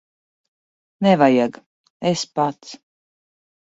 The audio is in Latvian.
Nevajag. Es pats.